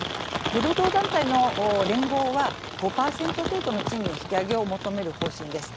労働団体の連合は５％程度の賃金引き上げを求める方針です。